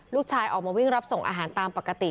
ลูกชายออกมาวิ่งรับส่งอาหารตามปกติ